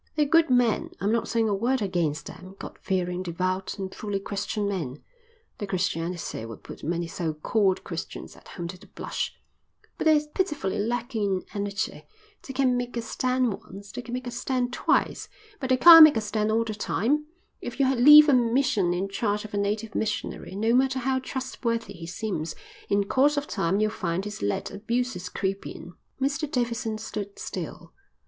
They're good men, I'm not saying a word against them, God fearing, devout, and truly Christian men their Christianity would put many so called Christians at home to the blush but they're pitifully lacking in energy. They can make a stand once, they can make a stand twice, but they can't make a stand all the time. If you leave a mission in charge of a native missionary, no matter how trustworthy he seems, in course of time you'll find he's let abuses creep in." Mr Davidson stood still.